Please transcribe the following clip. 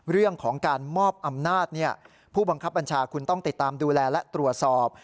เรื่องของการมอบอำนาจผู้บังคับบัญชาคุณต้องติดตามดูแลและตรวจสอบ